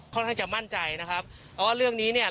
ทางสารชั้นต้นได้ยกฟ้องตอนนี้กันค่ะ